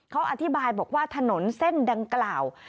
เขาอธิบายบอกว่าถนนเส้นดังกล่าว